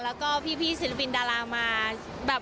แล้วก็พี่ศิลปินดารามาแบบ